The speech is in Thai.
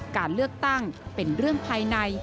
การเลือกตั้งเป็นเรื่องภายใน